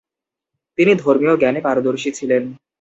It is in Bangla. তিনি ধর্মীয় জ্ঞানে পারদর্শী ছিলেন।